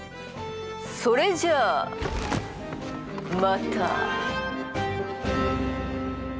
それじゃあまた！